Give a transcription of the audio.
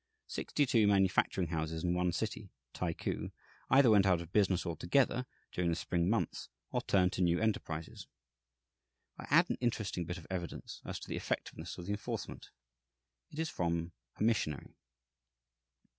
Sixty two manufacturing houses in one city, Taiku, either went out of business altogether during the spring months, or turned to new enterprises. I add an interesting bit of evidence as to the effectiveness of the enforcement. It is from a missionary.